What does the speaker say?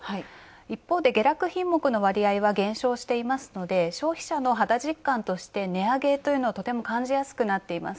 一方で下落品目の割合は減少していますので、消費者の肌実感として値上げというのはとても感じやすくなっています。